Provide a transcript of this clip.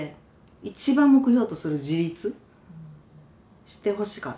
一番目標とする自立してほしかった。